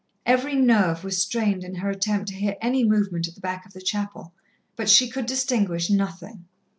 Every nerve was strained in her attempt to hear any movement at the back of the chapel, but she could distinguish nothing.